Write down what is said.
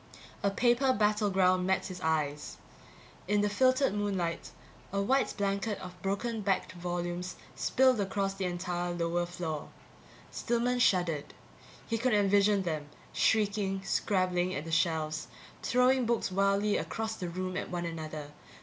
A paper battleground met his eyes. In the filtered moonlight, a white blanket of broken backed volumes spilled across the entire lower floor. Stillman shuddered; he could envision them, shrieking, scrabbling at the shelves, throwing books wildly across the room at one another.